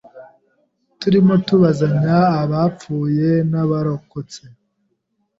turimo tubazanya abapfuye n’abarokotse